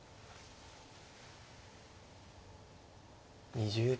２０秒。